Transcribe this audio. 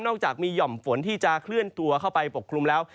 อกจากมีห่อมฝนที่จะเคลื่อนตัวเข้าไปปกคลุมแล้ว